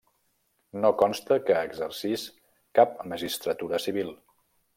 No consta que exercís cap magistratura civil.